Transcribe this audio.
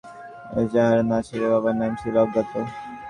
তাঁর বিরুদ্ধে দায়ের হওয়া মামলার এজাহারে নাছিরের বাবার নাম ছিল অজ্ঞাত।